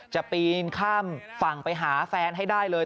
ปีนข้ามฝั่งไปหาแฟนให้ได้เลย